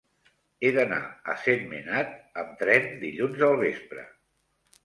He d'anar a Sentmenat amb tren dilluns al vespre.